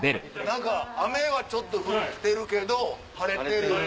何か雨はちょっと降ってるけど晴れてる。